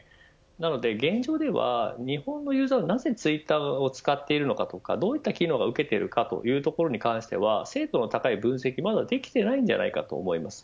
なので現状では日本のユーザーはなぜツイッターを使っているのかとかどういった機能が受けているかというところに関しては精度の高い分析はまだできていないんじゃないかと思います。